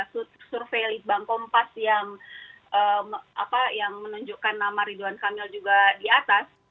survei litbang kompas yang menunjukkan nama ridwan kamil juga di atas